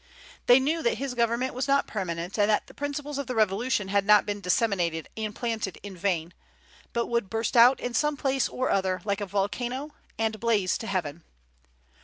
They knew that his government was not permanent, and that the principles of the Revolution had not been disseminated and planted in vain, but would burst out in some place or other like a volcano, and blaze to heaven.